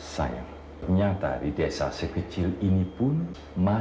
sayang nyata di desa sekecil ini pun masih ada godaan